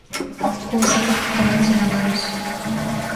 大阪府河内長野市